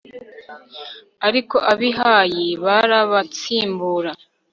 ariko ab'i hayi barabatsimbura